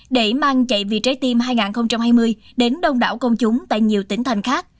để mang chạy vì trái tim hai nghìn hai mươi đến đông đảo công chúng tại nhiều tỉnh thành khác